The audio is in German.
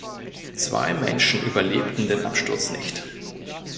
Zwei Menschen überlebten den Absturz nicht.